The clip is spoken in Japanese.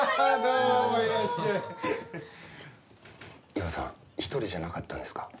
伊和さん一人じゃなかったんですか？